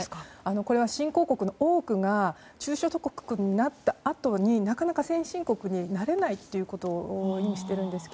これは新興国の多くが中所得国になったあとになかなか先進国になれないということを意味しているんです。